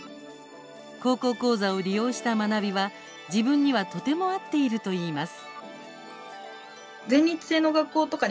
「高校講座」を利用した学びは自分にはとても合っているといいます。